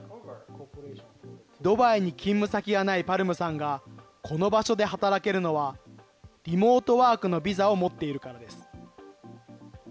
ドバイに勤務先がないパルムさんが、この場所で働けるのは、リモートワークのビザを持っているからです。